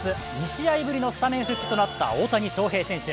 ２試合ぶりのスタメン復帰となった大谷翔平選手。